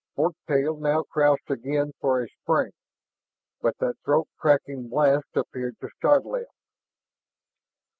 Fork tail had crouched again for a spring, but that throat crackling blast appeared to startle it.